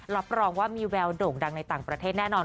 รับรองว่ามีแววโด่งดังในต่างประเทศแน่นอน